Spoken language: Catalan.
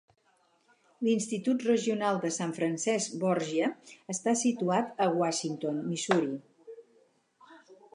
L'Institut Regional de San Francesc Borgia està situat a Washington, Missouri.